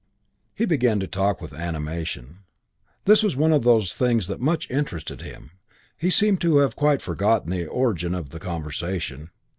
He began to talk with animation. This was one of the things that much interested him. He seemed to have quite forgotten the origin of the conversation.